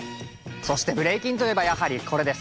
そしてブレイキンといえばやはりこれです。